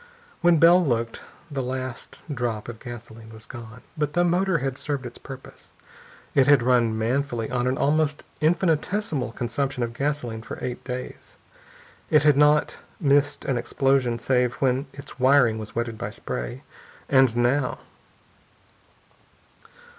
When Bell looked, the last drop of gasoline was gone. But the motor had served its purpose. It had run manfully on an almost infinitesimal consumption of gasoline for eight days. It had not missed an explosion save when its wiring was wetted by spray. And now....